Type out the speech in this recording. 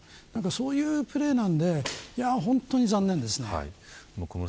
そういうプレーなので本当に残念ですね。